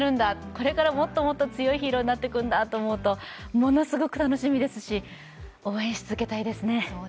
これからもっともっと強いヒーローになっていくんだと思うとものすごく楽しみですし応援したいですね。